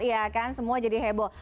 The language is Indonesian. iya kan semua jadi heboh